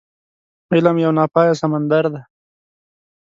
علم يو ناپايه سمندر دی.